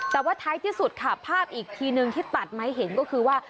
แต่ว่าท้ายที่สุดค่ะภาพอีกทีนึงที่ตัดมาให้เห็นก็คือว่า